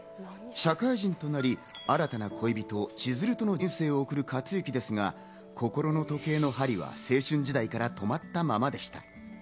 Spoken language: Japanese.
社会人となり、新たな恋人・千鶴との人生を送る勝之ですが、心の時計の針は青春時代から止まったままでした。